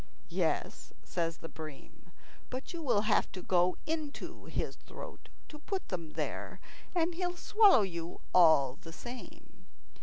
"Yes," said the bream; "but you will have to go into his throat to put them there, and he'll swallow you all the same.